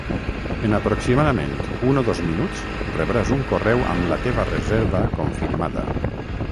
En aproximadament un o dos minuts rebràs un correu amb la teva reserva confirmada.